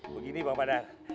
begini bapak dar